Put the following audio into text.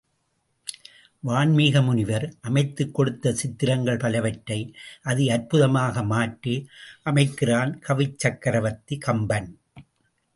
வான்மீக முனிவர் அமைத்துக் கொடுத்த சித்திரங்கள் பலவற்றை, அதி அற்புதமாக மாற்றி அமைக்கிறான் கவிச்சக்ரவர்த்தி கம்பன்.